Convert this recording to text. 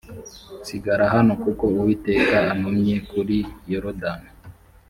sigara hano kuko uwiteka antumye kuri yorodani